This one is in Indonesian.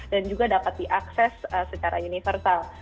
dan juga dapat diakses secara universal